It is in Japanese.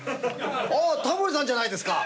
あっタモリさんじゃないですか！